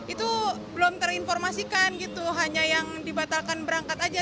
itu belum terinformasikan gitu hanya yang dibatalkan berangkat aja